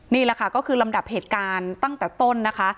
นี่แหละค่ะก็คือลำดับเหตุการณ์ตั้งแต่ต้นนะคะ